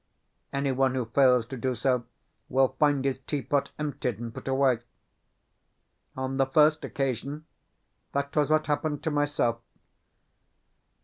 Anyone who fails to do so will find his teapot emptied and put away. On the first occasion, that was what happened to myself.